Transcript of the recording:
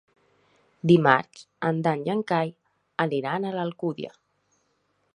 Dimarts en Dan i en Cai aniran a l'Alcúdia.